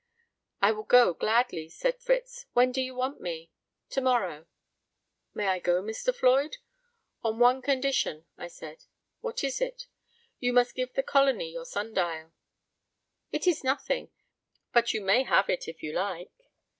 "I will go gladly," said Fritz; "when do you want me?" "To morrow," "May I go, Mr. Floyd?" "On one condition," I said. "What is it?" "You must give the Colony your sun dial." "It is nothing, but you may have it if you like."